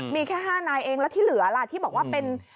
มีแค่๕นายเองแล้วที่เหลือล่ะที่บอกว่าเป็น